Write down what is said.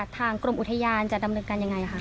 ทางกรมอุทยานจะดำเนินการอย่างไร